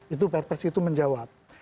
itu perpres itu menjawab